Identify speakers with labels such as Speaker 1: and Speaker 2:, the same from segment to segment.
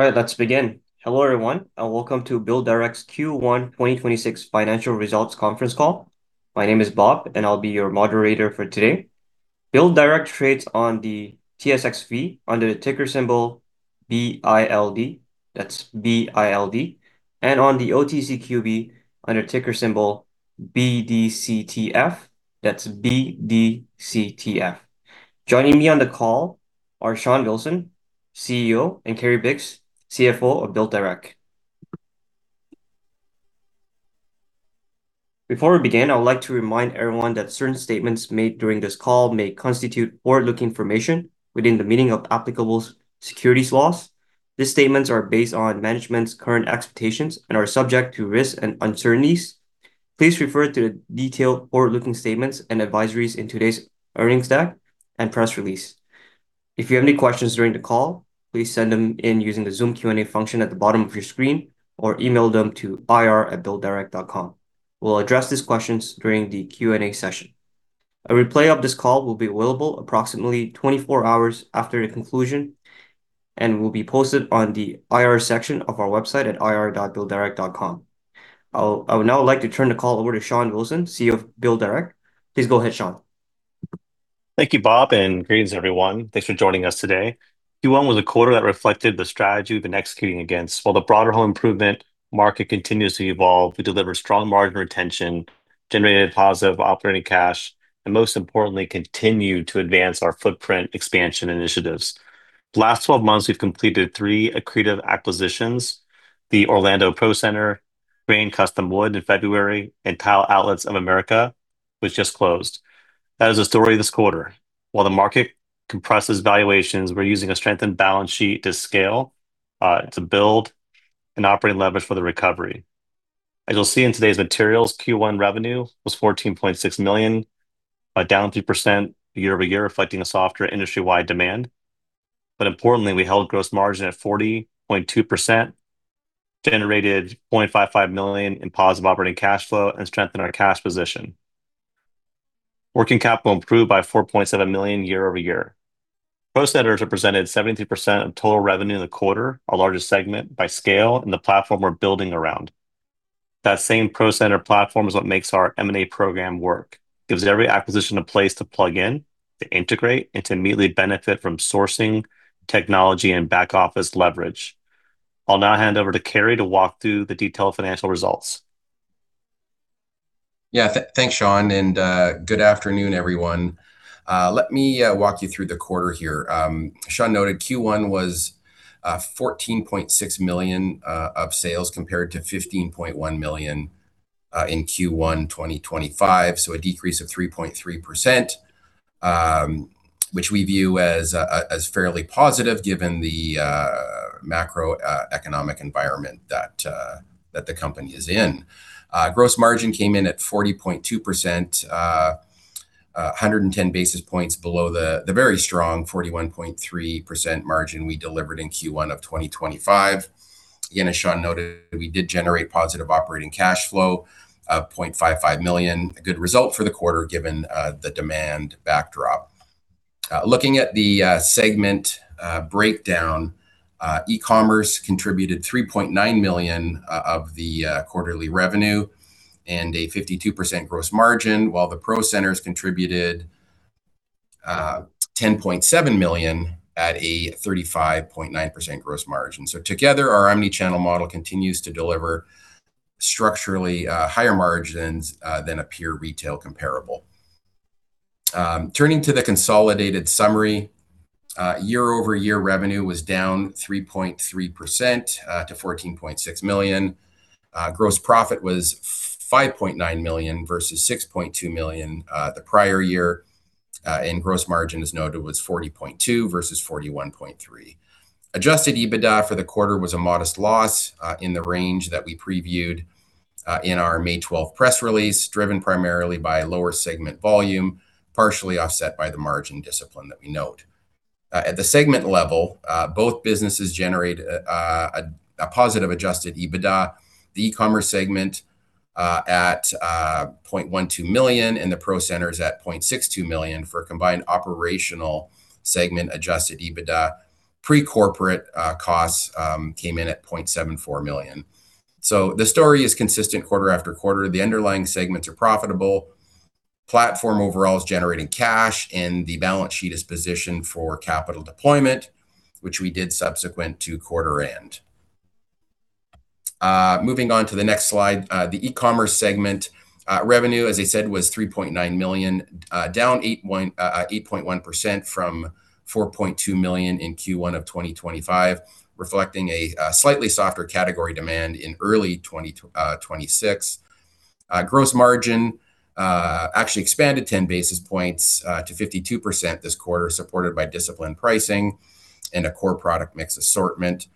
Speaker 1: All right, let's begin. Hello, everyone, welcome to BuildDirect's Q1 2026 financial results conference call. My name is Bob, and I'll be your Moderator for today. BuildDirect trades on the TSXV under the ticker symbol BILD. That's BILD, and on the OTCQB under ticker symbol BDCTF. That's BDCTF. Joining me on the call are Shawn Wilson, CEO, and Kerry Biggs, CFO of BuildDirect. Before we begin, I would like to remind everyone that certain statements made during this call may constitute forward-looking information within the meaning of applicable securities laws. These statements are based on management's current expectations and are subject to risks and uncertainties. Please refer to the detailed forward-looking statements and advisories in today's earnings deck and press release. If you have any questions during the call, please send them in using the Zoom Q&A function at the bottom of your screen or email them to ir@builddirect.com. We'll address these questions during the Q&A session. A replay of this call will be available approximately 24 hours after the conclusion and will be posted on the IR section of our website at ir.builddirect.com. I would now like to turn the call over to Shawn Wilson, CEO of BuildDirect. Please go ahead, Shawn.
Speaker 2: Thank you, Bob. Greetings, everyone. Thanks for joining us today. Q1 was a quarter that reflected the strategy we've been executing against. While the broader home improvement market continues to evolve, we deliver strong margin retention, generated positive operating cash, and most importantly, continued to advance our footprint expansion initiatives. The last 12 months, we've completed three accretive acquisitions: the Orlando Pro Center, Greyne Custom Wood in February, and Tile Outlets of America was just closed. That is a story this quarter. While the market compresses valuations, we're using a strengthened balance sheet to scale, to build, and operating leverage for the recovery. As you'll see in today's materials, Q1 revenue was 14.6 million, down 3% year-over-year, reflecting a softer industry-wide demand. Importantly, we held gross margin at 40.2%, generated 0.55 million in positive operating cash flow, and strengthened our cash position. Working capital improved by CAD 4.7 million year-over-year. Pro Centers represented 73% of total revenue in the quarter, our largest segment by scale and the platform we're building around. That same Pro Center platform is what makes our M&A program work. Gives every acquisition a place to plug in, to integrate, and to immediately benefit from sourcing, technology, and back office leverage. I'll now hand over to Kerry to walk through the detailed financial results.
Speaker 3: Yeah. Thanks, Shawn, good afternoon, everyone. Let me walk you through the quarter here. Shawn noted Q1 was 14.6 million of sales compared to 15.1 million in Q1 2025, a decrease of 3.3%, which we view as fairly positive given the macroeconomic environment that the company is in. gross margin came in at 40.2%, 110 basis points below the very strong 41.3% margin we delivered in Q1 2025. As Shawn noted, we did generate positive operating cash flow of 0.55 million, a good result for the quarter given the demand backdrop. Looking at the segment breakdown, e-commerce contributed 3.9 million of the quarterly revenue and a 52% gross margin, while the Pro Centers contributed 10.7 million at a 35.9% gross margin. Together, our omni-channel model continues to deliver structurally higher margins than a pure retail comparable. Turning to the consolidated summary, year-over-year revenue was down 3.3% to 14.6 million. Gross profit was 5.9 million versus 6.2 million the prior year. Gross margin, as noted, was 40.2% versus 41.3%. Adjusted EBITDA for the quarter was a modest loss, in the range that we previewed in our May 12th press release, driven primarily by lower segment volume, partially offset by the margin discipline that we note. At the segment level, both businesses generated a positive Adjusted EBITDA, the e-commerce segment at 0.12 million and the Pro Centers at 0.62 million for a combined operational segment Adjusted EBITDA. Pre-corporate costs came in at 0.74 million. The story is consistent quarter after quarter. The underlying segments are profitable. Platform overall is generating cash, and the balance sheet is positioned for capital deployment, which we did subsequent to quarter end. Moving on to the next slide. The e-commerce segment revenue, as I said, was 3.9 million, down 8.1% from 4.2 million in Q1 of 2025, reflecting a slightly softer category demand in early 2026. Gross margin actually expanded 10 basis points to 52% this quarter, supported by disciplined pricing and a core product mix assortment.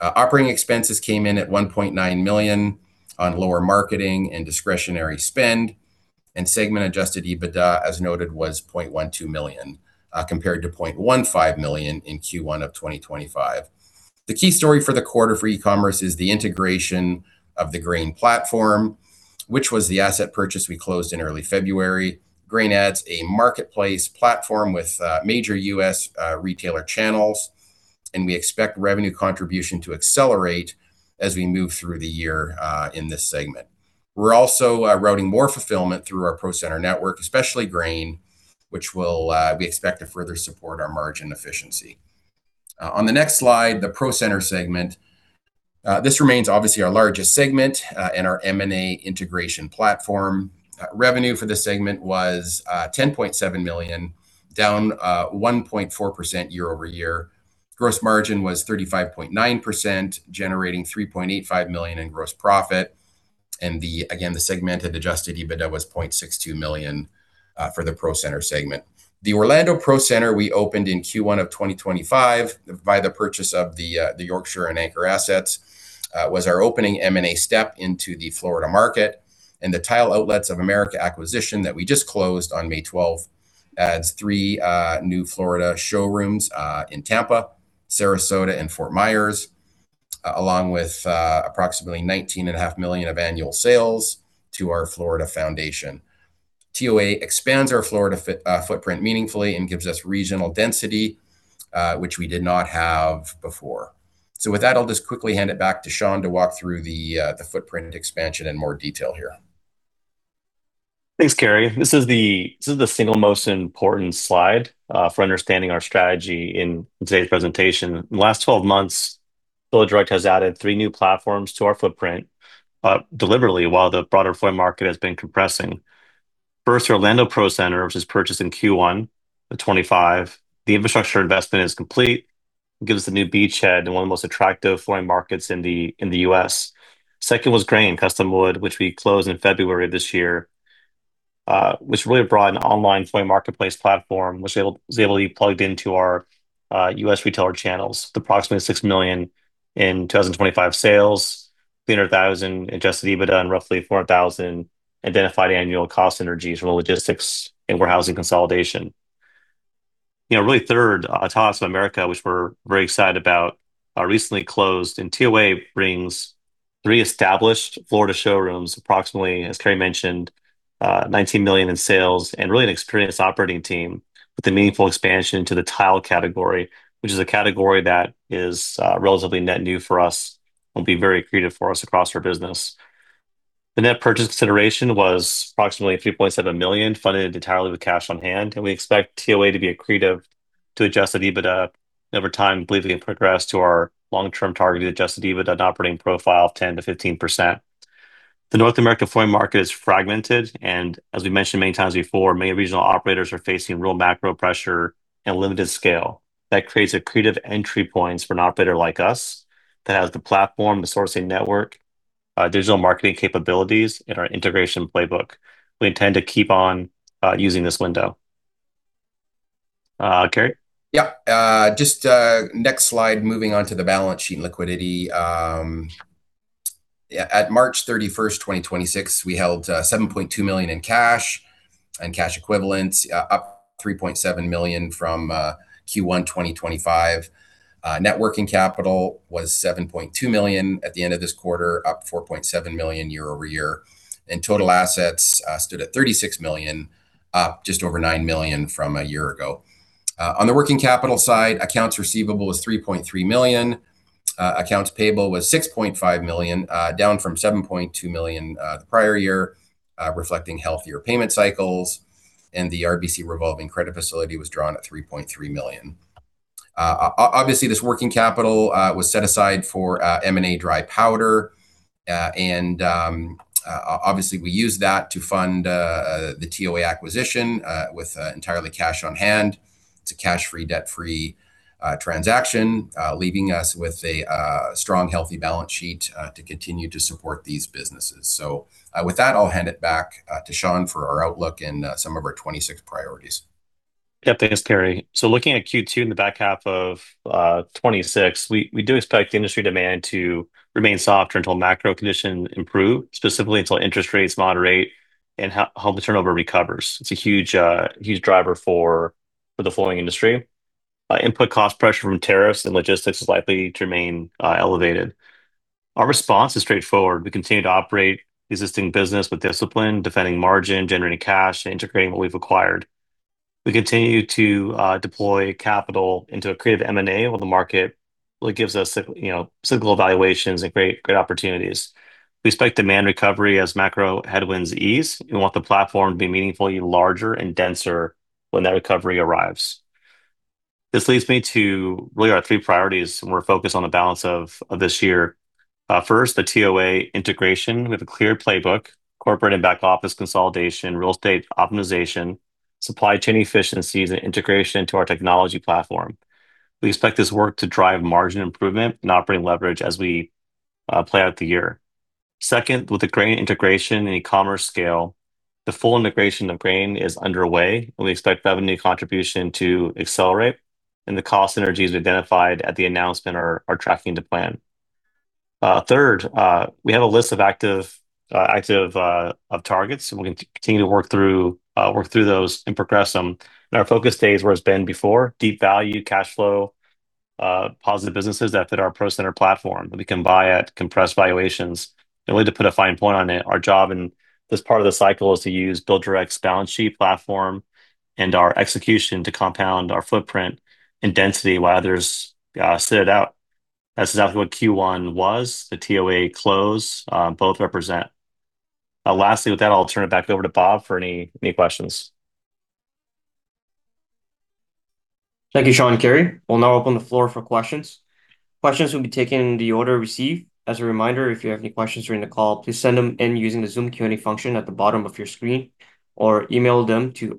Speaker 3: Operating expenses came in at 1.9 million on lower marketing and discretionary spend, segment-Adjusted EBITDA, as noted, was 0.12 million, compared to 0.15 million in Q1 of 2025. The key story for the quarter for e-commerce is the integration of the Greyne platform, which was the asset purchase we closed in early February. Greyne adds a marketplace platform with major U.S. retailer channels, we expect revenue contribution to accelerate as we move through the year in this segment. We're also routing more fulfillment through our Pro Centers network, especially Greyne, which we expect to further support our margin efficiency. On the next slide, the Pro Center segment. This remains obviously our largest segment and our M&A integration platform. Revenue for this segment was 10.7 million, down 1.4% year-over-year. Gross margin was 35.9%, generating 3.85 million in gross profit. Again, the segmented Adjusted EBITDA was 0.62 million for the Pro Center segment. The Orlando Pro Center we opened in Q1 of 2025 by the purchase of the Yorkshore and Anchor assets, was our opening M&A step into the Florida market. The Tile Outlets of America acquisition that we just closed on May 12th adds three new Florida showrooms in Tampa, Sarasota, and Fort Myers, along with approximately 19.5 million of annual sales to our Florida foundation. TOA expands our Florida footprint meaningfully and gives us regional density, which we did not have before. With that, I'll just quickly hand it back to Shawn to walk through the footprint expansion in more detail here.
Speaker 2: Thanks, Kerry. This is the single most important slide for understanding our strategy in today's presentation. In the last 12 months, BuildDirect has added three new platforms to our footprint deliberately while the broader flooring market has been compressing. First, our Orlando Pro Center, which was purchased in Q1 2025. The infrastructure investment is complete. It gives us a new beachhead in one of the most attractive flooring markets in the U.S. Second was Greyne Custom Wood, which we closed in February of this year, which really brought an online flooring marketplace platform, which was able to be plugged into our U.S. retailer channels. Approximately 6 million in 2025 sales, 300,000 Adjusted EBITDA, and roughly 400,000 identified annual cost synergies from logistics and warehousing consolidation. Third, Tile Outlets of America, which we're very excited about, recently closed, and TOA brings three established Florida showrooms, approximately, as Kerry mentioned, 19 million in sales and an experienced operating team with a meaningful expansion to the tile category, which is a category that is relatively net new for us and will be very accretive for us across our business. The net purchase consideration was approximately 3.7 million, funded entirely with cash on hand, and we expect TOA to be accretive to Adjusted EBITDA over time, believing it will progress to our long-term targeted Adjusted EBITDA operating profile of 10%-15%. The North American flooring market is fragmented, and as we mentioned many times before, many regional operators are facing real macro pressure and limited scale. That creates accretive entry points for an operator like us that has the platform, the sourcing network, digital marketing capabilities, and our integration playbook. We intend to keep on using this window. Kerry?
Speaker 3: Yeah. Just next slide, moving on to the balance sheet and liquidity. At March 31st, 2026, we held 7.2 million in cash and cash equivalents, up 3.7 million from Q1 2025. Net working capital was 7.2 million at the end of this quarter, up 4.7 million year-over-year. Total assets stood at 36 million, up just over 9 million from a year ago. On the working capital side, accounts receivable was 3.3 million. Accounts payable was 6.5 million, down from 7.2 million the prior year, reflecting healthier payment cycles. The RBC revolving credit facility was drawn at 3.3 million. Obviously, this working capital was set aside for M&A dry powder. Obviously, we used that to fund the TOA acquisition with entirely cash on hand. It's a cash-free, debt-free transaction, leaving us with a strong, healthy balance sheet to continue to support these businesses. With that, I'll hand it back to Shawn for our outlook and some of our 2026 priorities.
Speaker 2: Yeah, thanks, Kerry. Looking at Q2 and the back half of 2026, we do expect industry demand to remain softer until macro conditions improve, specifically until interest rates moderate and home turnover recovers. It's a huge driver for the flooring industry. Input cost pressure from tariffs and logistics is likely to remain elevated. Our response is straightforward. We continue to operate the existing business with discipline, defending margin, generating cash, and integrating what we've acquired. We continue to deploy capital into accretive M&A where the market really gives us cyclical valuations and great opportunities. We expect demand recovery as macro headwinds ease. We want the platform to be meaningfully larger and denser when that recovery arrives. This leads me to really our three priorities, and we're focused on the balance of this year. First, the TOA integration. We have a clear playbook, corporate and back office consolidation, real estate optimization, supply chain efficiencies, and integration into our technology platform. We expect this work to drive margin improvement and operating leverage as we play out the year. Second, with the Greyne integration and e-commerce scale, the full integration of Greyne is underway, and we expect revenue contribution to accelerate and the cost synergies identified at the announcement are tracking to plan. Third, we have a list of active targets, and we're going to continue to work through those and progress them. Our focus stays where it's been before, deep value, cash flow positive businesses that fit our Pro Center platform that we can buy at compressed valuations. Really to put a fine point on it, our job in this part of the cycle is to use BuildDirect's balance sheet platform and our execution to compound our footprint and density while others sit it out. That's exactly what Q1 was. The TOA close both represent. Lastly, with that, I'll turn it back over to Bob for any questions.
Speaker 1: Thank you, Shawn and Kerry. We'll now open the floor for questions. Questions will be taken in the order received. As a reminder, if you have any questions during the call, please send them in using the Zoom Q&A function at the bottom of your screen, or email them to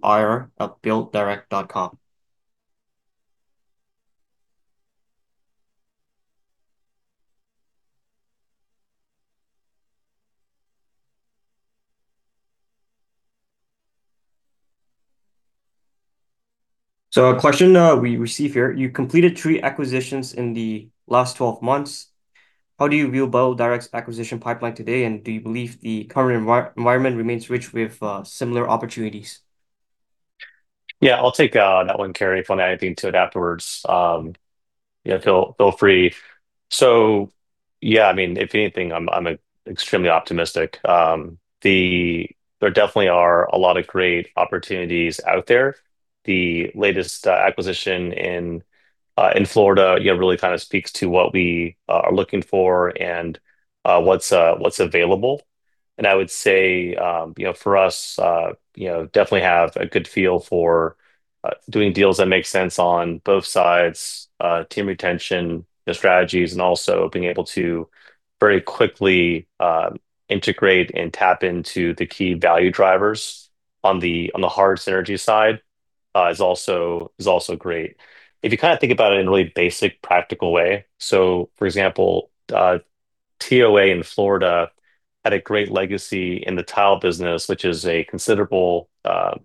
Speaker 1: ir@builddirect.com. A question we received here, you completed three acquisitions in the last 12 months. How do you view BuildDirect's acquisition pipeline today, and do you believe the current environment remains rich with similar opportunities?
Speaker 2: Yeah, I'll take that one, Kerry. If you want to add anything to it afterwards, feel free. Yeah, if anything, I'm extremely optimistic. There definitely are a lot of great opportunities out there. The latest acquisition in Florida really speaks to what we are looking for and what's available. I would say for us, definitely have a good feel for doing deals that make sense on both sides, team retention, the strategies, and also being able to very quickly integrate and tap into the key value drivers on the hard synergy side is also great. If you think about it in a really basic, practical way, for example, TOA in Florida had a great legacy in the tile business, which is a considerable part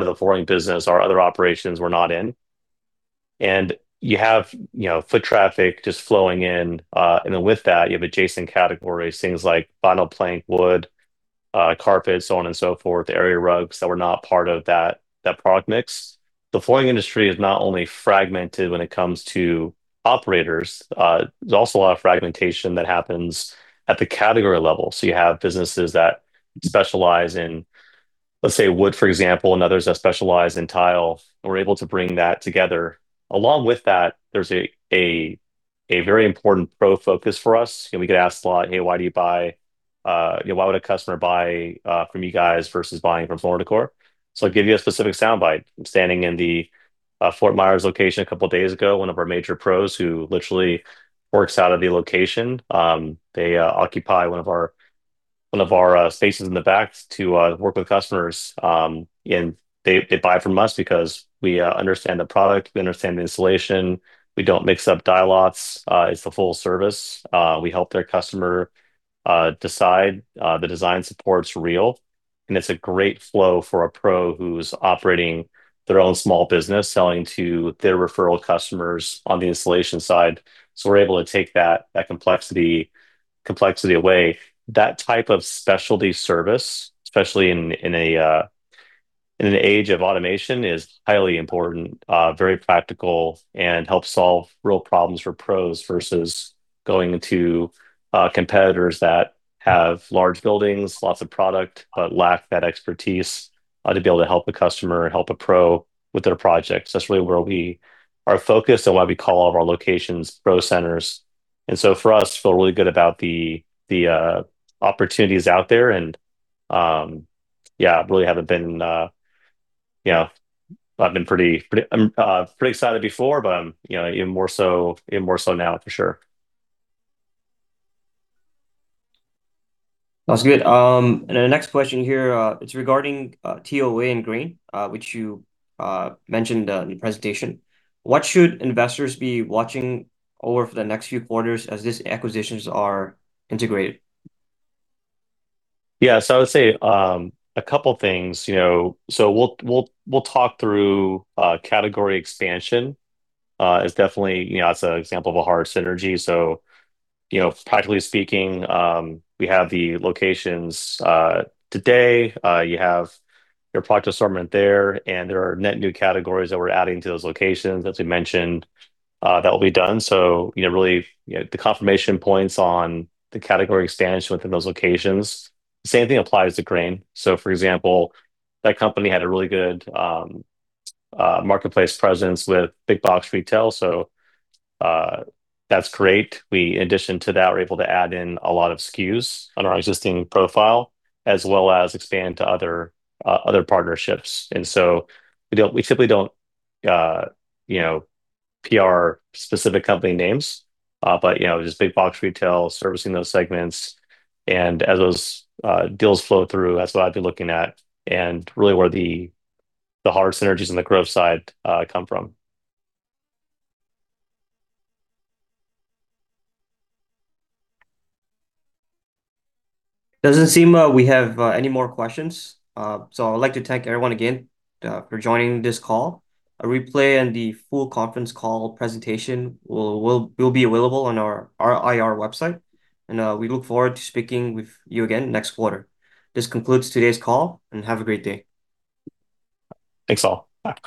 Speaker 2: of the flooring business our other operations were not in. You have foot traffic just flowing in, and then with that, you have adjacent categories, things like vinyl plank, wood, carpet, so on and so forth, area rugs that were not part of that product mix. The flooring industry is not only fragmented when it comes to operators, there's also a lot of fragmentation that happens at the category level. You have businesses that specialize in, let's say, wood, for example, and others that specialize in tile. We're able to bring that together. Along with that, there's a very important pro focus for us. We get asked a lot, "Hey, why would a customer buy from you guys versus buying from Floor & Decor?" I'll give you a specific soundbite. I'm standing in the Fort Myers location a couple of days ago, one of our major pros who literally works out of the location. They occupy one of our spaces in the back to work with customers. They buy from us because we understand the product, we understand the installation. We don't mix up dye lots. It's the full service. We help their customer decide. The design support's real, and it's a great flow for a pro who's operating their own small business, selling to their referral customers on the installation side. We're able to take that complexity away. That type of specialty service, especially in an age of automation, is highly important, very practical, and helps solve real problems for pros versus going to competitors that have large buildings, lots of product, but lack that expertise to be able to help a customer, help a pro with their projects. That's really where we are focused and why we call all of our locations Pro Centers. For us, feel really good about the opportunities out there, I've been pretty excited before, but even more so now, for sure.
Speaker 1: That's good. The next question here, it's regarding TOA and Greyne, which you mentioned in the presentation. What should investors be watching over the next few quarters as these acquisitions are integrated?
Speaker 2: Yeah, I would say, a couple of things. We'll talk through category expansion. That's an example of a hard synergy, so practically speaking, we have the locations today. You have your product assortment there, and there are net new categories that we're adding to those locations, as we mentioned. That will be done, so really the confirmation points on the category expansion within those locations. Same thing applies to Greyne. For example, that company had a really good marketplace presence with big box retail. That's great. In addition to that, we're able to add in a lot of SKUs on our existing profile, as well as expand to other partnerships. We simply don't PR specific company names. Just big box retail, servicing those segments and as those deals flow through, that's what I'd be looking at, and really where the hard synergies on the growth side come from.
Speaker 1: Doesn't seem we have any more questions. I'd like to thank everyone again for joining this call. A replay and the full conference call presentation will be available on our IR website, and we look forward to speaking with you again next quarter. This concludes today's call, and have a great day.
Speaker 2: Thanks, all. Bye.